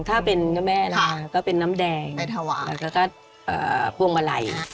ถ้าเป็นน้ำแม่นะฮะก็เป็นน้ำแดงแล้วก็พวงมาลัยนะครับ